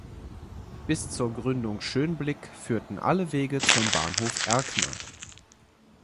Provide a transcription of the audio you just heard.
Bis zur Gründung Schönblick führten alle Wege zum Bahnhof Erkner.